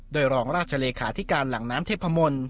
โดยรองราชเลขาธิการหลังน้ำเทพมนต์